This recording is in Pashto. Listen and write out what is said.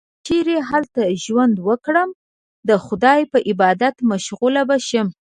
که چیرې هلته ژوند وکړم، د خدای په عبادت مشغوله به شم.